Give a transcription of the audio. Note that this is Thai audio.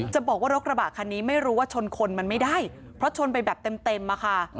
จะบอกว่ารถกระบะคันนี้ไม่รู้ว่าชนคนมันไม่ได้เพราะชนไปแบบเต็มอะค่ะ